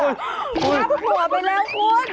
เก็บหัวไปแล้วคุณ